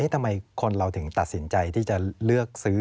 ทำไมคนเราถึงตัดสินใจที่จะเลือกซื้อ